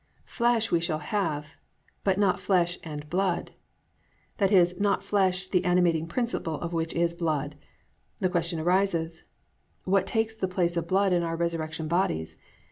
"Flesh" we shall have, but not "flesh and blood," i.e., not flesh, the animating principle of which is blood. The question arises, What takes the place of the blood in our resurrection bodies?